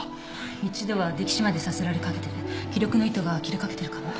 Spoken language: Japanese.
一度は溺死までさせられかけてて気力の糸が切れかけてるかも。